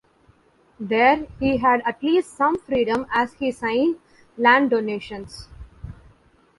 There he had at least some freedom as he signed land donations.